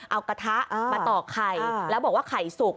เอากระทะมาต่อไข่แล้วบอกว่าไข่สุก